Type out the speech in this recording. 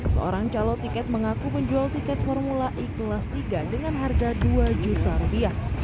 seorang calon tiket mengaku menjual tiket formula e kelas tiga dengan harga dua juta rupiah